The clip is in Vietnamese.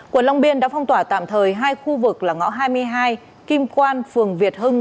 quận long biên đã phong tỏa tạm thời hai khu vực là ngõ hai mươi hai kim quan phường việt hưng